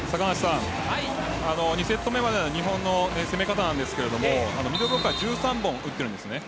２セット目までの日本の攻め方なんですがミドルブロッカー１３本打っているんですね。